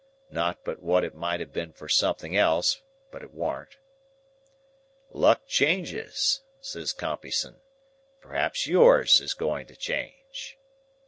Not but what it might have been for something else; but it warn't.) "'Luck changes,' says Compeyson; 'perhaps yours is going to change.